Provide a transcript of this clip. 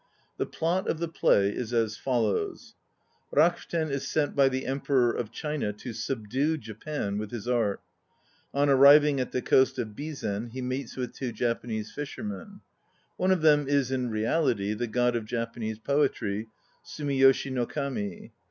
The plot of the play is as follows: Rakuten is sent by the Emperor of China to "subdue" Japan with his art. On arriving at the coast of Bizen, he meets with two Japanese fishermen. One of them is in reality the god of Japanese poetry, Sumiyoshi no Kami.